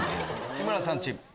内村さんチーム。